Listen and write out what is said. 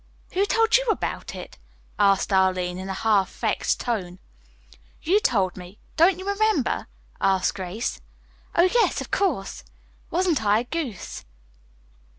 "Who told you about it?" asked Arline in a half vexed tone. "You told me, don't you remember?" asked Grace. "Oh, yes, of course. Wasn't I a goose?"